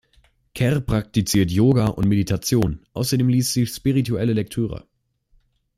Kerr praktiziert Yoga und Meditation, außerdem liest sie spirituelle Lektüre.